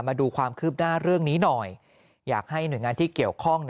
มาดูความคืบหน้าเรื่องนี้หน่อยอยากให้หน่วยงานที่เกี่ยวข้อง